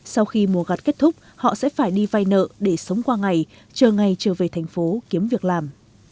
sau khi mùa gặt kết thúc họ sẽ phải đi vay nợ để sống qua ngày chờ ngày trở về thành phố kiếm việc làm